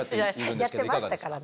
やってましたからね。